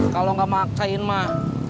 kalau gak mau ngak cain mah